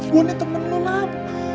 gua nih temen lo lam